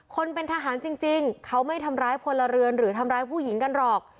คนเป็นทหารจริงเขาไม่ทำร้ายพลเรือนหรือทำร้ายผู้หญิงกันหรอก